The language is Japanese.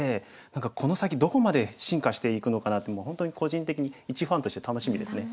何かこの先どこまで進化していくのかなってもう本当に個人的にいちファンとして楽しみですね。